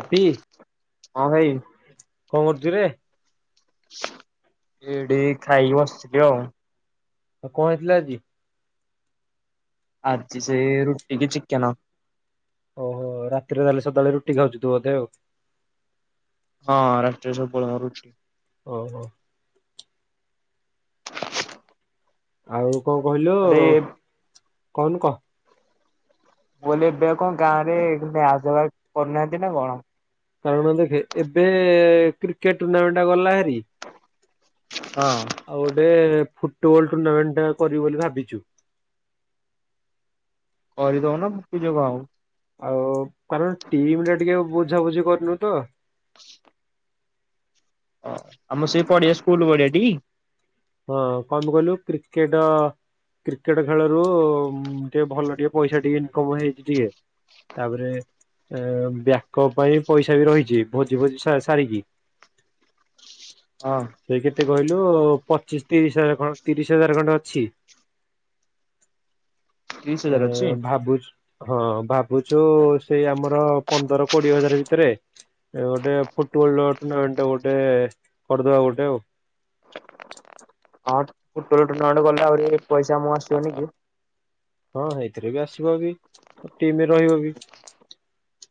Happy ହଁ ଭାଇ, କଣ କରୁଚୁ ରେ? ଏଠି ଖାଇକି ବସିଥିଲି ଆଉ। ଆଉ କଣ ହେଇଥିଲା ଆଜି? ଆଜି ସେ ରୁଟି କି ଚିକେନ। ଓହୋ ରାତିରେ ତାହେଲେ ସଦାବେଳେ ଖାଉଛୁ ତୁ ବୋଧେ ଆଉ। ହଁ ରାତିରେ ସବୁବେଳେ ହଉଚି। ଅ ହୋ। ଆଉ କଣ କହିଲୁ ଆରେ କଉନୁ କହ। କଇଲି ଏବେ କଣ ଗାଁ ରେ ମ୍ୟାଚ ଫ୍ୟା୍ଚ କରୁନାହାନ୍ତି ନା କଣ? କାରଣ ଦେଖେ ଏବେ କ୍ରିକେଟ ଟୁର୍ଣ୍ଣାମେଣ୍ଟ ଟା ଗଲା ହାରି ହଁ ଆଉ ଗୋଟେ ଫୁଟବଲ ଟୁର୍ଣ୍ଣାମେଣ୍ଟଟା କରିବୁ ବୋଲି ଭାବିଚୁ। କରିଦଉନ ଭାବିଚ କଣ ଆଉ। ଆଉ କାରଣ ଟିମ ଟା ଟିକେ ବୁଝାବୁଝି କରିନୁ ତ। ଓ ଆମ ସେଇ ପଡିଆ ସ୍କୁଲ ବଡିଆଟି? ହଁ କଁପେ କହିଲୁ କ୍ରିକେଟ କ୍ରିକେଟ ଖେଳରୁ ଟିକେ ଭଲ ଟିକେ ପଇସା ଟିକେ ଇନକମ ହେଇଚି ଟିକେ। ତାପରେ। ଏ ବ୍ୟାକପ ପାଇଁ ପଇସା ବି ରହିଛି ଭୋଜି ଭୋଜି ସା ସାରିକି। ହଁ। ସେ କେତେ କହିଲୁ ପଚିଶ ତିରିଶ ହଜାର ଖଣ୍ଡ ତିରିଶ ହଜାର ଖଣ୍ଡେ ଅଛି। [inaudible] ଏ ହଜାର ଅଛି? ଭାବୁ ହଁ ଭାବୁଛୁ ସେଇ ଆମର ପନ୍ଦର କୋଡିଏ ହଜାର ଭିତରେ ଗୋଟେ ଫୁଟବଲ ଟୁଣ୍ଣାମେଣ୍ଟ ଗୋଟେ କରିଦବା ଗୋଟେ ଆଉ। ହଁ ଫୂଟବଲ ଟୁଣ୍ଣାମେଣ୍ଟ ଗଲେ ଆହୁରି ପଇସା ମୁଁ ଆସିବନି କି? ହଁ ସେଇଥିରେ ବି ଆସିବ ବି ଟିମରେ ରହିବ ବି।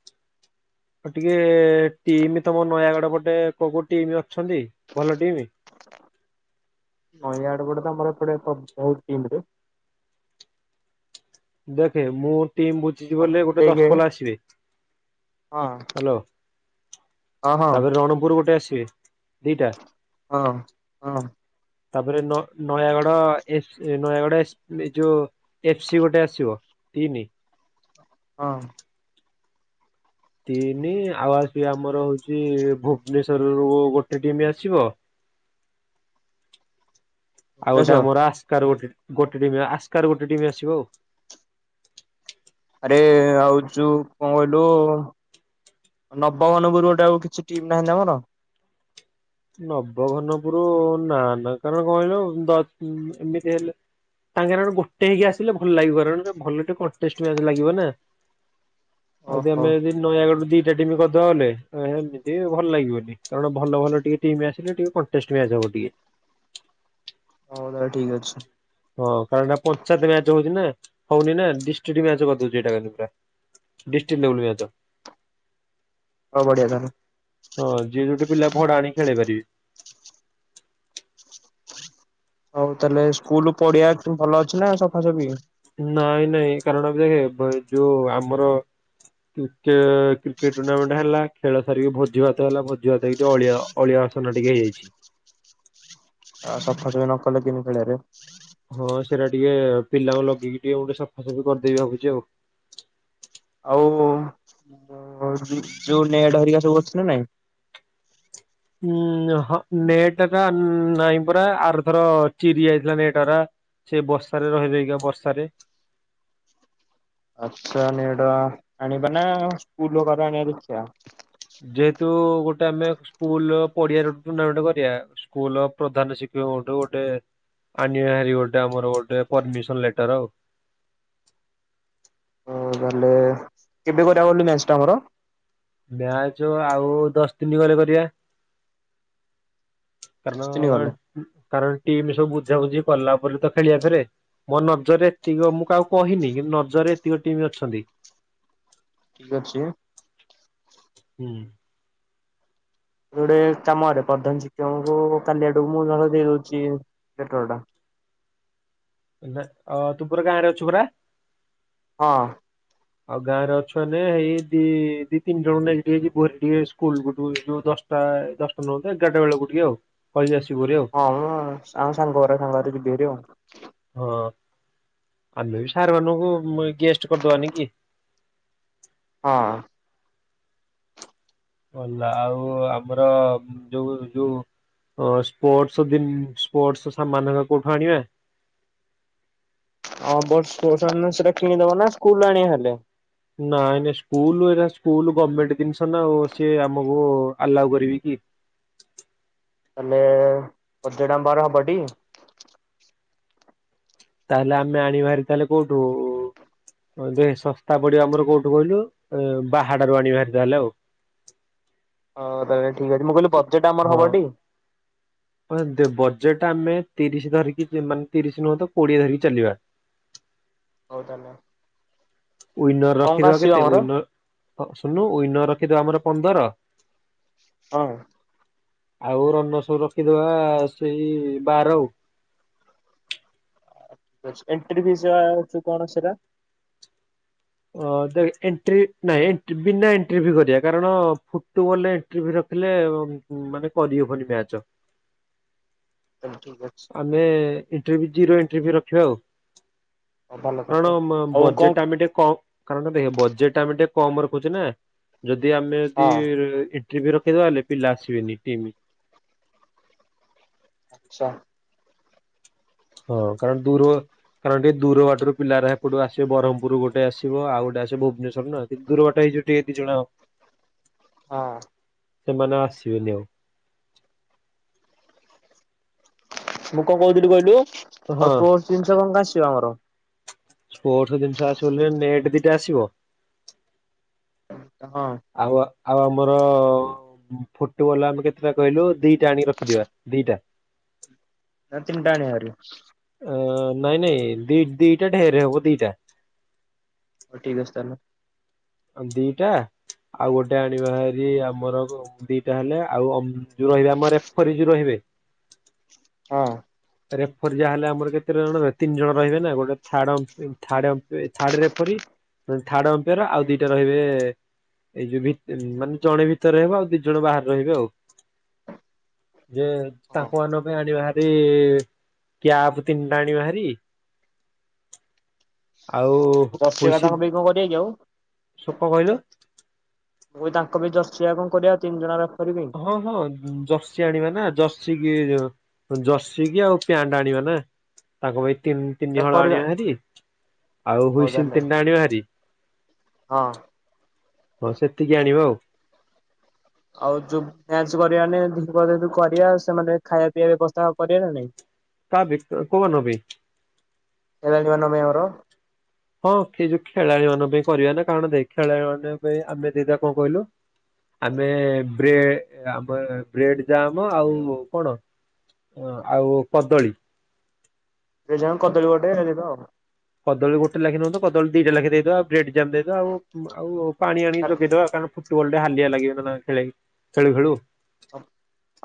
[inaudible] ଆଉ ଟିକେ ଟିମ ତମ ନୟାଗଡ ପଟେ କୋଉ କୋଉ ଟିମ ଅଛନ୍ତି ଭଲ ଟିମ। ନୟାଗଡ ପଟେ ତ ଆମର ଏପଟେ ପ୍ର ବହୁତ ଟିମ ରେ। ଦେଖେ ମୁଁ ଟିମ୍ ବୁଝିଛି ବୋଲେ ଗୋଟେ ଦଶ ଦେଖେ ପଲା ଆସିବେ। ହଁ ହ୍ୟାଲୋ ହଁ ତାପରେ ରଣପୁର ଗୋଟେ ଆସିବେ। ଦିଟା ହଁ ହଁ। ତାପରେ ନୟାଗଡ ନୟାଗଡ ଏ ଯୋଉ ଏଫ ସ ଗୋଟେ ଆସିବ। ତିନି। ହଁ। ତିନି ଆଉ ଆସି ଆମର ହଉଛି ଭୁବନେଶ୍ୱର ରୁ ଗୋଟେ ଟିମ୍ ଆସିବ। ଆଉ ଗୋଟେ ଭୁବନେଶ୍ଵର ଆମର ଆସ୍କାରୁ ଗୋଟେ ଗୋଟେ ଟିମ ଆସ୍କାରୁ ଗୋଟେ ଟିମ୍ ଆସିବ ଆଉ। ଆରେ ଆଉ ଯୋଉ କଣ କହିଲୁ ନବବନପୁରୁ ଗୋଟେ ଆଉ କିଛି ଟିମ୍ ନାହାଁନ୍ତି ତମର? ନବଘନପୁରୁ ନା ନା କାରଣ କଣ କହିଲୁ ଦଶ ଏମିତି ହେଲେ ତାଙ୍କେର ଗୋଟେ ହେଇକି ଆସିଲେ ଭଲ ଲାଗିବ କାରଣ ଭଲ ଟେ କଟେଷ୍ଟ ମ୍ୟାଚ ଲାଗିବ ନା। ଆଜି ଓହୋ ଆମେ ଯଦି ନୟାଗଡ ଦି ସେ ଟିମ ଗଧ ହେଲେ, ଏମିତି ଭଲ ଲାଗିବନି କାରଣ ଭଲ ଭଲ ଟିକେ ଟିମ ଆସିଲେ ଟିକେ କଂଟେଷ୍ଟ ମ୍ବାଚ ହବ ଟିକେ। ହଉ ତାହଲେ ଠିକ ଅଛି। ହଁ କାରଣ ଏଟା ପଞ୍ଚାୟତ ମ୍ୟାଚ ହଉଛି ନା ହଉନି ନା ଡିଷ୍ଟ୍ରିଟ ମ୍ବାଚ କରିଦଉଛି ଏଇଟା କାଲି ପୁରା। ଡିଷ୍ଟ୍ରିକ୍ଟ ଲେବଲ ମ୍ୟାଚ। ହଉ ବଢିଆ ତାହାଲେ। ହଁ ଯିଏ ଯୋଟି ପିଲା ଭଡା ଆଣିକି ଖେଳେଇ ପାରିବେ। ହଉ ତାହେଲେ ସ୍କୁଲ ପଡିଆ ଭଲ ଅଛି ନା ସଫାସଫି ନାଇଁ ନାଇଁ କାରଣ ଦେଖେ ଯୋଉ ଆମର କ୍ରେ କ୍ରିକେଟ ଟୁର୍ଣ୍ଣାମେଣ୍ଟ ହେଲା ଖେଳ ସାରିକି ଭୋଜି ଭାତ ହେଲା ଭୋଜି ଭାତ ହେଇକି ଅଳିଆ ଅଳିଆ ପାଟିତୁଣ୍ଡ ଟିକେ ହେଇଯାଇଛି। ଆ ସଫାସଫି ନ କଲେ କେମିତି ଖେଳେଇବେ? ହଁ ସେଟା ଟିକେ ପିଲାଙ୍କୁ ଲଗେଇକି ଟିକେ ଗୋଟେ ସଫାସଫି କରିଦେଇବି ଭାଗୁଛି ଆଉ। ଆଉ ଯୋଉ ନେଟ ହେରିକା ସବୁ ଅଛି କି ନାଇଁ? ଉଁ ହଁ ନେଟ୍ ଟା ତ ନାଇଁ ପରା ଆରଥର ଚିରି ଯାଇଥିଲା ନେଟ୍ ରା। ସେ ବର୍ଷାରେ ରହି ରହିକା ବର୍ଷାରେ ଆଛା ନେଟ୍ ଆଣିବା ନା ସ୍କୁଲ ରୁ ଗରା ଆଣିବାକୁ ଇଚ୍ଛା। ଯେହେତୁ ଗୋଟେ ଆମେ ସ୍କୁଲର ପଡିଆ ରେ ଗୋଟେ ଟୁର୍ଣ୍ଣାମେଣ୍ଟ କରିବା। ସ୍କୁଲ ପ୍ରଧାନ ଶିକ୍ଷକଠୁ ଗୋଟେ ଆନିବା ହେରି ଗୋଟେ ଆମର ଗୋଟେ ପରମିସନ ଲେଟର ଆଉ। ତାହଲେ କେବେ କରିବାକୁ ଗଲେ ମ୍ୟାଚ ଟା ଆମର ମ୍ୟାଚ ଆଉ ଦଶ ଦିନ ଗଲେ କରିବା। କାରଣ ଦଶ ଦିନ ଗଲେ କାରଣ ଟିମ ସବୁ ବୁଝାବୁଝି କଲା ଭଲସେ ତ ଖେଳିବା ଥରେ। ମୋ ନଜରେ ଏତିକ ମୁଁ କାହାକୁ କହିନି କି ନଜରରେ ଏତିକ ଟିମ ଅଛନ୍ତି। ଠିକ୍ ଅଛି। ହୁଁ। ଗୋଟେ କାମ କରେ ପ୍ରଧାନ ଶିକ୍ଷକଙ୍କୁ କାଲି ଆଡକୁ ମୁଁ ଦେଇଦଉଛି ପେଟର ଟା। ଅ ତୁ ପରା ଗାଁରେ ଅଛୁ ପରା। ହଁ। ଆଉ ଗାଁ ରେ ଅଛେ ଏଇି ଦି ତିନି ଜଣ ନେଇକି ଟିକେ ଭୋ ଟିକେ ସ୍କୁଲ ଗୋ ଯୋ ଦଶ ପ୍ରାଏ ଦଶଟା ନୁଅ ତ ଏଗାରଟା ବେଳକୁ ଆଉ କହିକି ଆସି ହଁ ଆ ସାଙ୍ଗ ଘ ସାଙ୍ଗ ରେ ଯିବି ଭାରି ଆଉ। ହଁ। ଆମେ ବି ସାର୍ ମାନଙ୍କୁ ଗେଷ୍ଟ କରିଦବାନି କି। ହଁ। ହେଲା ଆଉ ଆମର ଯୋଉ ଯୋଉ ହଁ ସ୍ପୋର୍ଟସ ଦିନ- ସ୍ପୋର୍ଟସ ସାମାନ ଗୁଡ଼ା କୋଉଠୁ ଆଣିବା? [unintelligible] ସେଟା କିଣି ଦବା ନା ସ୍କୁଲ ରୁ ଆଣିବା ହେଲେ। ନାଇଁ ନାଇଁ ସ୍କୁଲ ଏରା ସ୍କୁଲ ଗମେଣ୍ଟ ଜିନିଷ ନା ଆଉ ସିଏ ଆମକୁ ଆଲାଉ କରିବେ କି? କି? ତାଲେ ଅଜଡାମ୍ବାର ହବ ଟି। ତାହେଲେ ଆମେ ଆଣିବା ହେରି ତାହେଲେ କୋଉଠୁ ଉ ହଁ ଯେ ଶସ୍ତା ପଡିବ ଆମର କୋଉଠୁ କହିଲୁ ଏ ବାହାଡାରୁ ଆଣି ବା ହେରି ତାହେଲେ ଆଉ। ହଁ ତେବେ ଠିକ୍ ଅଛି ମୁଁ କହିଲି ବଜେଟ୍ ଆମର ହବ ଟି? ହଁ ଦେ ବଜେଟ ଆମେ ତିରିଶ ଧରିକି ତି-ମାନେ ତିରିଶ ନୁହଁ ତ କୋଡିଏ ଧରିକି ଚାଲିବା। ହଉ ତାହେଲେ ଆଉ। ୱିନର ରଖିଦବା କେତେ? ୱିନର ଅ- ଶୁଣୁନୁ ୱିନର ରଖିଦବା ଆମର ପନ୍ଦର। ହଁ। ଆଉ ରନ ସବୁ ରଖିଦବା ସେଇ ବାର ଆଉ। ଏଣ୍ଟ୍ରି ଫିସ୍ ଯା ଅଛୁ କଣ ସେଟା? ଅ ଦେଖେ ଏଣ୍ଟ୍ରି ନାଇଁ ବିନା ଏଣ୍ଟ୍ରିଭିୁ କରିବା କାରଣ ଫୁଟବଲ ଏଣ୍ଟ୍ରିଭି ରଖ୍ ପିଲେ ମାନେ କରିହବନି ମ୍ୟାଚ। ତାହେଲେ ଠିକ୍ ଅଛି ଆମେ ଇଣ୍ଟରଭି୍ ଜିରୋ ଇଣ୍ଟରଭି୍ ରଖିବା ଆଉ। ହଉ ଭଲ କାରଣ ତାହେଲେ ବ- ଆଉ କଣ ବଜେଟ ଆମେ ଟିକେ କମ୍ ରଣ ଦେଖେ ବଜେଟ ଟା ଆମେ ଟିକେ କମ ରଖୁଛେ ନା ଯଦି ଆମେ ଯଦି ହଁ ଏ ଟିଭି ରଖିଦବା ହେଲେ ପିଲା ଆସିବେନି କେହିବି। ଆଚ୍ଛା। ହଁ କାରଣ ଦୂର କାରଣ ଟିକେ ଦୂରବାଟରୁ ପିଲାହେରା ଏପଟୁ ଆସିବେ ବରହମପୁର ଗଟେ ଆସିବ ଆଉ ଗୋଟେ ଆସିବ ଭୁବନେଶ୍ୱର ରୁ ନା ଟିକେ ଦୁର ବାଟ ହେ ଜୁଟି ହେଦି ଯୁଣା ଅ ହଁ। ସେମାନେ ଆଉ ଆସିବେନି ଆଉ। ମୁଁ କଣ କହୁଥିଲି କହିଲୁ ହଁ ଆଉ ତୋ ଜିନିଷ କଣ କଣ ଆସିିବ ଆମର। ସ୍ପୋର୍ଟସ ଜିନିଷ ଆସିବ ବଲେ ନେଟ ଦିଟା ଆସିବ ହଁ। ଆଉ ଆଉ ଆମର ଫୁଟବଲ ଆମେ କେତେଟା କହିଲୁ ଦିଟା ଆଣିକି ରଖିଦବା ଦିଟା। ନା ତିନଟା ଆଣିବା ହେରି। ଉଁ ନାଇଁ ନାଇଁ ଦି ଦି ଦିଟା ଢେର ହବ ଦିଟା। ହ ଠିକ ଅଛି ତାହେଲେ। ଦିଟା ଆଉ ଗୋଟେ ଆଣିବାହେରି ଆମର ଗ ଦିଟା ହେଲେ ଆଉ ହମ୍ ଯଉ ରହିବେ ଆମର ରେଫରି ଯଉ ରହିବେ। ହଁ। ରେଫରି ଯା ହେଲେ ଆମର କେତେ ଜଣ ରହିବେ ତିନି ଜଣ ରହିବେ ନା ଗୋଟେ ଥାର୍ଡ଼ ଏ third third referee third umpire ଆଉ ଦିଟା ରହିବେ ଏଇ ଯୋଉ ଭିତ-ମାନେ ଜଣେ ଭିତରେ ରହିବ ଆଉ ଦି ଜଣ ବାହାରେ ରହିବେ ଆଉ। ହ ଯେ ତାଙ୍କ ମାନଙ୍କ ପାଇଁ ଆଣିବା ହେରି କପତିନ ଟାଣି ମହାରାରି ଆଉ ଜର୍ସି ହେରିକା ହୁଇସି ତାଙ୍କ ପାଇଁ କଣ କରିବା କି ଆଉ ଚକ କହିଲୁ ମୁଁ ତାଙ୍କ ବି ଜର୍ଶଆ କଣ କରିବା ତିନି ଜଣ ର ହଁ ହଁ ଜର୍ସି ଆଣିବା ନା ଜର୍ସି କି ଜର୍ସିକି ଆଉ ପ୍ୟାଟା ଆଣିବା ନା ତାଙ୍କ ପାଇଁ ତିନି ତିନି ହଳ ରେଫରୀ ଆଣିବା ଭାରି ଆଉ ହଉ ହୁଇସ ତାହେଲେ ତିନିଟା ଆଣିବା ଭାରି ହଁ ହଁ ସେତିକି ଆଣିବ ଆଉ ଆଉ ଯୋଉ୍ୟା କରିବାାନ କରିବା ସେମାନେ ଖାଇବା ପିଇବା ବ୍ୟବସ୍ଥା କରିବା ନା ନାଇଁ ତାାବ କବ ନବି ହ ହଁ ସେ ଯୋଉ ଖେଳାଳି ମାନଙ୍କ ପାଇଁ କରିବା ନା କାରଣ ଦେ ଖେଳାଳି ମାନଙ୍କ ପାଇଁ ଆମେ ଦିଟା କଣ କହିଲୁ ଆମେ ଆମ ବ୍ରେଡ ଜାମ ଆଉ କଣ ଅ ଆଉ କଦଳୀ ଏ ଜଣ କଦଳୀ ଗୋଟେ ହେ ଯିବା ଆଉ କଦଳୀୋଟେ ଲେଖି ନିଅନ୍ତ କଳୀ ଦିଟା ଲେଖା ଦେଇଦଉ ବେ ଦେଇଦବା ଆଉ ଆଉ ପାଣି ଆଣି ଯୋଗେଇଦବା କାର ଓଲଟେ ହାଲିଆ ଲାଗି ଖେଳି ଖେଳୁ ଖେଳୁ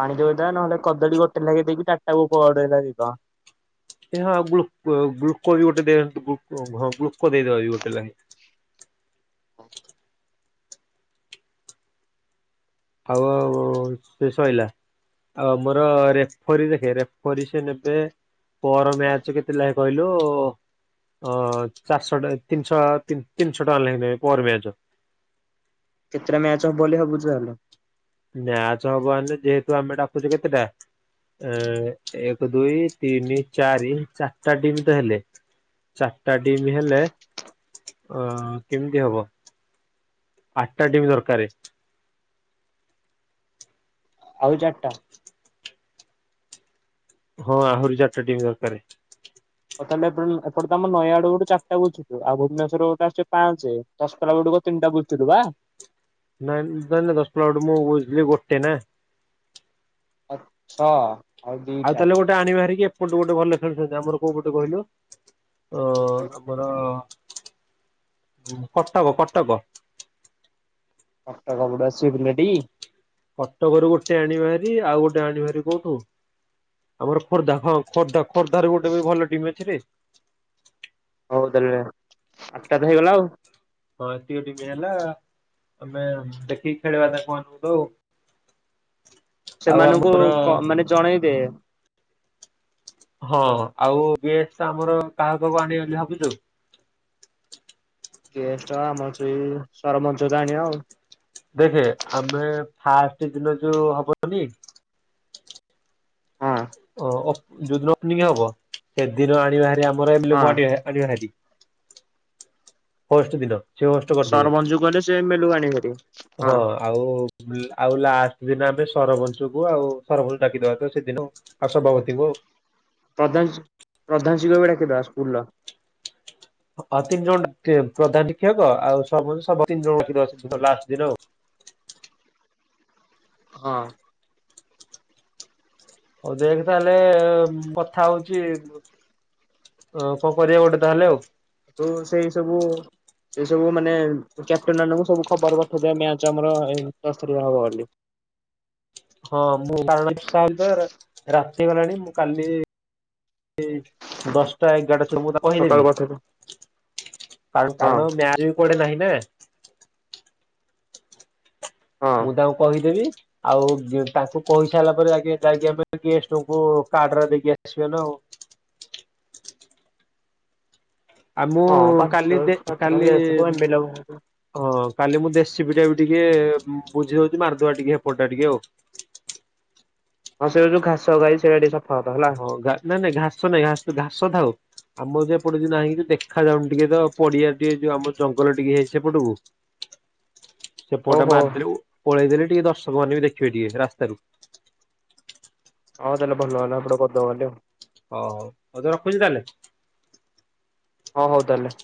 ପାଣି ଦଉଦ ନହେଲେ କଦଳୀ ଗୋଟେ ଲାଗେଇ ଦେଇକି ଟଟାକୁଡ ଲାଗିଦ ଁ ଗ ଗୁକୋ ଗୋଟେଅ ହଁ ଗ୍ୁକୋ ଦେଇଦବା ଗୋଟେ ଲାଗେ ହଁ ଆଉ ଶେଷ ହେଲାା ଅ ମୋର ରେଫରୀ ଦେଖେ ରେଫରୀ ସେ ନେବେ ପର ମ୍ୟାଚ କେତେ ଲ କହିଲୁ ଅ ଚାରିଶହ ତିନିଶ ତିନିଶହ ଟଙ୍କା ଲୋଗେ ପର ବିଆଜ କେତେଟା ମ୍ୟାଚ ହବ ବୋଲି ହବୁଛି ତାହଲେ ନାଚ ହବ ଆେ ଯେହେତୁ ଆମେ ଡାକୁଛେ କେତେଟା ଅ ଏକ ଦୁଇ ତିନି ଚାରି ଚାରିଟା ଟିମ ତ ହେଲେ ଚାରିଟା ଡିମ୍ ହେଲେ ଅ କେମିତି ହବ ଆଠଟା ଟିମ୍ ଦରକାରାରେ ଆଉ ଚାରିଟା ହଁ ଆହୁରି ଚାରିଟା ଟିମ୍ ଦରକ କେ ଏଟ ତ ଆମ ନୟ ଆଡ ଗୋଟେ ଚାରଟା ବୁଛୁ ଆଉ ଭୁବନେଶ୍ର ଗୋଟେ ଆଛେ ପାଞ୍ଚେ ଚଶକଲା ଗୋେ ଆତନଟା ବୁତଦ ବା ନାଇଁ ନାଇଁ ନ ଦଶଟଲା ବଟୁ ମୁଁ ବୁଝିଲି ଗୋଟେ ନା ଆଚ୍ଛା ଆଉ ତାହେଲେ ଗୋଟେ ଆଣିବ ବାହାରିକି ଏପଟୁ ଗୋଟେ ଭଲ ଖେଳଛନ୍ତି ଆମର କୋଉ ପଟେ କହିଲୁ ତ ଆମର କଟକ କଟକ ପାଟା କାମଡାଛି ପିଲଟି କଟକରୁ ଗୋଟେ ଆଣ ବାହାରି ଆଉ ଗୋଟେ ଆଣ ବାହାରି କୋଉଠୁ ଆମର ଖୋର୍ଦ୍ଧା ହ ଖୋର୍ଦ୍ଧା ଖୋର୍ଦ୍ଧାରେ ଗୋଟେ ବି ଭଲ ଟିମ୍ ଅଛି ହଉ ତାହେଲେ ଆଠଟା ତ ହେଇଗଲା ଆଉ ହଁତିଉଡିମି ହେଲା ଆମେ ଦେଖି ଖେଳିବା ଦେଖ ତଉ ସେମାନଙ୍କୁ ମାନେ ଜଣେଇଦିଏ ହଁ ଆଉ ବିସ୍ ତ ଆମର କାହା ପାଖକୁ ଆଣିବେ ବୋଲି ଭାବୁଛୁ ଗେଷ୍ଟ ଆମର ସେ ସରମଞ୍ଚ ଗଣୀ ଆଉ ସେଦିନ ଯୋଉ ହବଯଦି। ହଁ ଓ ଯୋଉ ଦିନ ଓପନିଂଗି ହବ ସେଦିନ ଆଣିବାହାରି ଆମର ଏମେଲେକୁ ହଁ ଆଣିବାହାରି। ହୋଷ୍ଟ ଦିନ। ସେ ହୋଷ୍ଟ କରିଦେବେ ସରପଞ୍ଚଙ୍କୁ କହିଲେ ସେ ଏମେଲେକୁ ଆଣିବେଭାରି। ହଁ ଆଉ ଆଉ ଲା ଦିନ ଆମେ ସରପଞ୍ଚକୁ ଆଉ ସରପଞ୍ଚ ଡାକିଦବା ତ ସେଦିନ ଆଉ ସଭାପତିଙ୍କୁ ଆଉ। ପ୍ରଧାନ ପ୍ରଧାନ ଶିକ୍ଷକ ସ୍କୁଲର। ହଁ ତିନି ଜଣ ଡାକି ପ୍ରଧାନ ଶିକ୍ଷକ ଆଉ ସ ତିନି ଜଣ ଅଛନ୍ତି ଲାଷ୍ଟ ଦିନ ଆଉ। [unintelligible] ହଁ। ହଉ ଦେଖ ତାହେଲେ କଥା ହଉଚି। ଅଁ କଁ କରିବା ଗୋଟେ ତାହେଲେ ଆଉ। ତୁ ସେଇ ସବୁ। ସେ ସବୁ ମାନେ କ୍ୟାପଟେନ ମାନଙ୍କୁ ସବୁ ଖବର ପଠେଇ ଦେବେ ମ୍ୟାଚ ଆମର ଦଶ ତାରିଖ ହବ ବୋଲି। [unintelligible] ହଁ ମୁଁ କାରଣ ବର୍ଷା ହେଲେ ରାତି ହେଇଗଲାଣି ମୁଁ କାଲି ଏଇ ଦଶଟା ଏଗାରଟା ମୁଁ ତା ସକାଳୁ କହିଦେବି ପଠେଇଦେ ହଁ କାରଣ ମ୍ୟାଚ ବି କୁଆଡେ ନାହିଁ। ଏବେ। ହଁ। ମୁଁ ତାଙ୍କୁ କହିଦେବି। ଆଉ ତାଙ୍କୁ କହିସାରିଲା ପରେ ଆଗେ ଯାଇକି ଆମେ ଗେଷ୍ଟଙ୍କୁ କାର୍ଡରା ଦେଇକି ଆସିବା ନା ଆଉ। [inaudible] ଆ ମୁଁ ହଁ ପାଞ୍ଚ କାଲି ଦେ ସାତ ଜଣ କାଲି ଗେଷ୍ଟକୁ ଏମବିଲ ହଁ। କାଲି ମୁଁ ଜେସିପି ଟା ବି ଟିକେ ବୁଝି ଦଉଛି ମାରି ଦବା ଟିକେ ହେପଟା ଟିକେ ଆଉ। ହଁ ସେଇରା ଯୋଉ ଘାସ ଗୁରା ହେଇଚି ସେଟା ଟିକେ ସ ହଁ ନାଇଁ ନାଇଁ ଘାସ ନାଇଁ ଘା ଘାସ ଥାଉ। ଆମର ଏପଟେ ନାହିଁ ଦେଖାଯ ଯାଉନି ଟିକେ ତ ପଡିଆ ଟିକେ ଯୋଉ ଆମ ଜଙ୍ଗଲ ଟିକେ ହେଇଛି ସେପଟକୁ। [unintelligible] ସେପଟେ ଓହୋ ମାରିଦେଲି ପଳେଇ ଦେଲି ଟିକେ ଦର୍ଶ ଲୋକମାନେ ବି ଦେଖିବେ ଟିକେ ରାସ୍ତାରୁ। ହଁ ତାହଲେ ଭଲ ହେଲା ଏପଟେ କରିଦେବା କାଲି। ହଉ ଆଉ ରଖୁଛି ତାହେଲେ। ହଁ ହଉ ତାହଲେ।